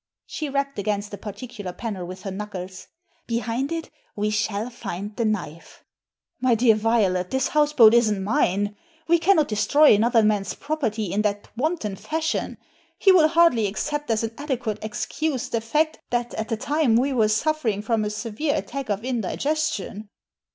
She rapped against a particular panel with her knuckles. ^Behind it we shall find the knife." My dear Violet, this houseboat isn't mine. We cannot destroy another man's property in that wanton fashion. He will hardly accept as an adequate excuse the fact that at the time we were suffering from a severe attack of indigestion."